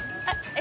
え？